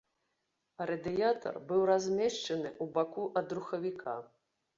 Радыятар быў размешчаны ў баку ад рухавіка.